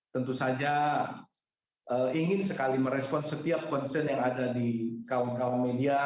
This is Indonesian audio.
tentu saja ingin sekali merespon setiap konsen yang ada di kawan kawan media